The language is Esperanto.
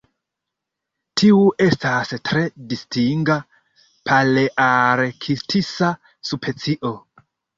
Tiu estas tre distinga palearktisa specio.